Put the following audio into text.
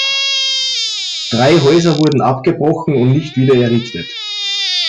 Drei Häuser wurden abgebrochen und nicht wieder errichtet.